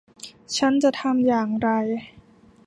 ฉันจะทำอย่างไร